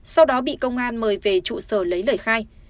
sau đó bị công an mời về trụ sở lấy lời khai